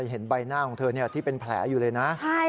เห็นใบหน้าของเธอที่เป็นแผลอยู่เลยนะ